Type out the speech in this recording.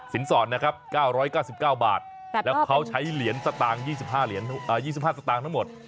สอดนะครับ๙๙๙บาทแล้วเขาใช้เหรียญสตางค์๒๕สตางค์ทั้งหมด